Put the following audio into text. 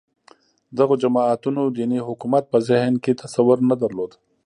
دغو جماعتونو دیني حکومت په ذهن کې تصور نه درلود